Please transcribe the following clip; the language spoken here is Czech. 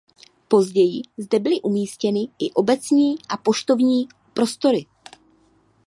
Později zde byly umístěny i obecní a poštovní prostory.